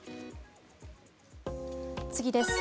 次です。